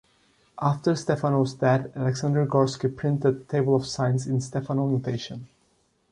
After Stepanov's death Alexander Gorsky printed "Table of Signs" in Stepanov notation.